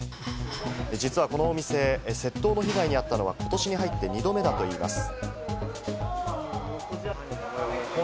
実はこのお店、窃盗の被害に遭ったのは、今年に入って２度目だといいます。